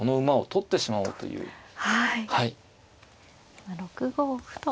今６五歩と。